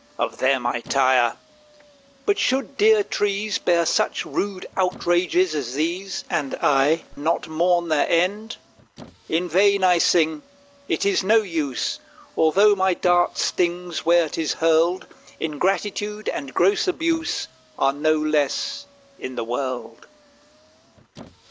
Of them I tire. But should dear trees Bear such rude outrages as these, And I not mourn their end? In vain I sing: it is no use; Although my dart stings where 'tis hurled. Ingratitude and gross abuse Are no less in the world.